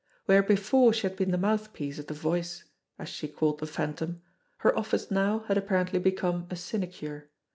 Where before she had been the mouthpiece of the "Voice," as she called the Phan tom, her office now had apparently become a sinecure.